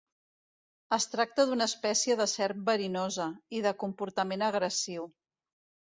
Es tracta d'una espècie de serp verinosa, i de comportament agressiu.